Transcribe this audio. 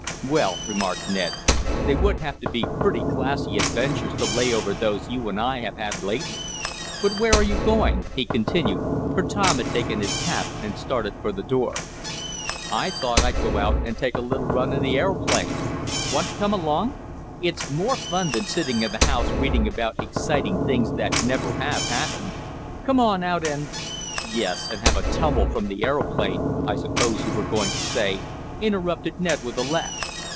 "Well," remarked Ned, "they would have to be pretty classy adventures to lay over those you and I have had lately. But where are you going?" he continued, for Tom had taken his cap and started for the door. "I thought I'd go out and take a little run in the aeroplane. Want to come along? It's more fun than sitting in the house reading about exciting things that never have happened. Come on out and " "Yes, and have a tumble from the aeroplane, I suppose you were going to say," interrupted Ned with a laugh.